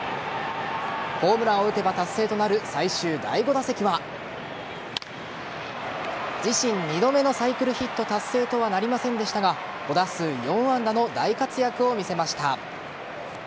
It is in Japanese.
ホームランを打てば達成となる最終第５打席は自身２度目のサイクルヒット達成とはなりませんでしたが５打数４安打の大活躍を見せました。